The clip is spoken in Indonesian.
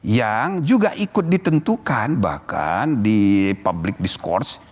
yang juga ikut ditentukan bahkan di public diskurs